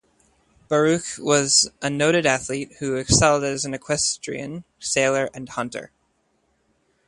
Baruch was a noted athlete who excelled as an equestrian, sailor and hunter.